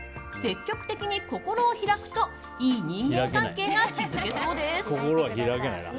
積極的に心を開くといい人間関係が築けそうです。